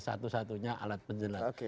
satu satunya alat penjelasan